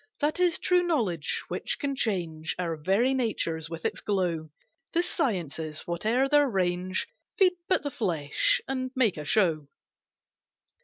That is true knowledge which can change Our very natures, with its glow; The sciences whate'er their range Feed but the flesh, and make a show."